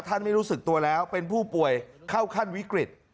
ไม่รู้สึกตัวแล้วเป็นผู้ป่วยเข้าขั้นวิกฤต